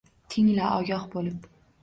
— Tingla ogoh bo’lib